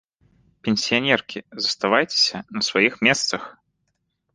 Пенсіянеркі, заставайцеся на сваіх месцах!